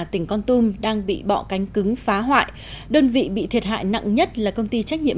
tỉnh con tum đang bị bọ cánh cứng phá hoại đơn vị bị thiệt hại nặng nhất là công ty trách nhiệm